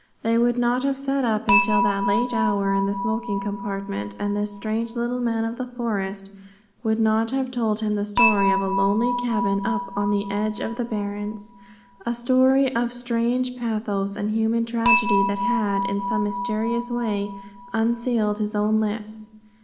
They would not have sat up until that late hour in the smoking compartment, and this strange little man of the forest would not have told him the story of a lonely cabin up on the edge of the Barrens a story of strange pathos and human tragedy that had, in some mysterious way, unsealed his own lips.